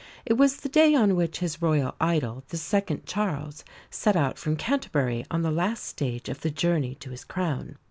It was the day on which his Royal idol, the second Charles, set out from Canterbury on the last stage of the journey to his crown.